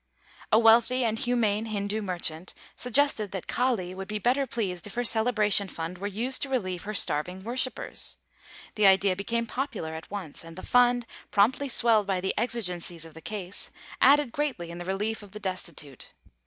A wealthy and humane Hindoo merchant suggested that Kali would be better pleased if her celebration fund were used to relieve her starving worshippers. The idea became popular at once; and the fund, promptly swelled by the exigencies of the case, aided greatly in the relief of the destitute.